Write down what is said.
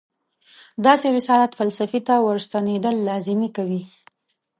داسې رسالت فلسفې ته ورستنېدل لازمي کوي.